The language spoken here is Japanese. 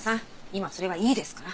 今それはいいですから。